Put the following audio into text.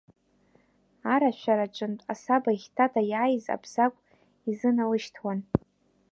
Арашәара аҿынтә асаба ихьтата иааиз Абзагә изыналышьҭуан.